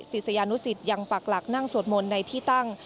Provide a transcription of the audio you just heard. ศิษยานุสิตยังปักหลักนั่งสวดมนต์ในที่ตั้ง